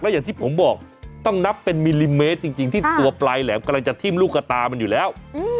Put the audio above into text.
อย่างที่ผมบอกต้องนับเป็นมิลลิเมตรจริงที่ตัวปลายแหลมกำลังจะทิ้มลูกกระตามันอยู่แล้ว